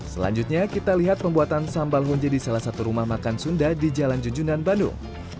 selanjutnya kita lihat pembuatan sambal honje di salah satu rumah makan sunda di jalan jujunan bandung